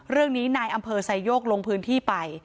เรื่องนี้นายอำเภอไซโยกลงพื้นที่ไป